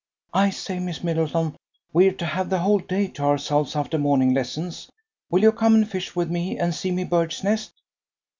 "I say, Miss Middleton, we're to have the whole day to ourselves, after morning lessons. Will you come and fish with me and see me bird's nest?"